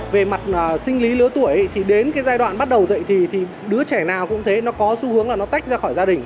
về mặt sinh lý lứa tuổi thì đến cái giai đoạn bắt đầu dạy thì đứa trẻ nào cũng thế nó có xu hướng là nó tách ra khỏi gia đình